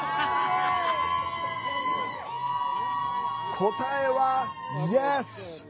答えはイエス！